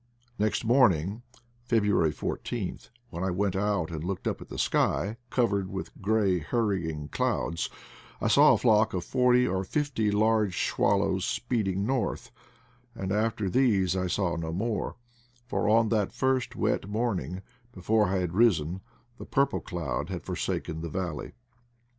Next morning (February 14th) when I went out and looked up at the sky, covered with gray hurrying clouds, I saw a flock of forty or fifty large swallows speeding north; and after these I saw no more; for on that first wet morn ing, before I had risen, the purple cloud had for saken the valley.